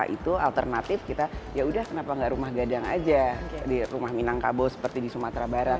itu alternatif kita ya udah kenapa nggak rumah gadang aja di rumah minangkabau seperti di sumatera barat